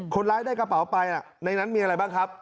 คนร้ายได้กระเป๋าไปในนั้นมีอะไรบ้างครับ